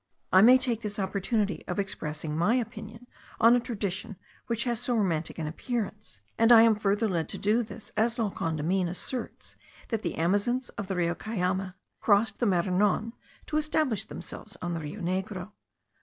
I may take this opportunity of expressing my opinion on a tradition which has so romantic an appearance; and I am farther led to do this as La Condamine asserts that the Amazons of the Rio Cayame* crossed the Maranon to establish themselves on the Rio Negro.